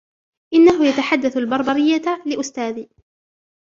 إنهُ يتحدث البربرية لإُستاذي.